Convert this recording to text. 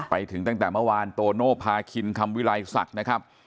ไปถึงตั้งแต่เมื่อวานโตโนภาคินคำวิลัยศักดิ์นะครับ